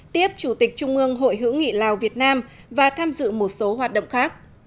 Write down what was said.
tiếp chủ tịch trung ương hội hữu nghị lào việt nam và tham dự một số hoạt động khác